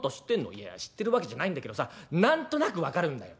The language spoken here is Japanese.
「いや知ってるわけじゃないんだけどさ何となく分かるんだよ。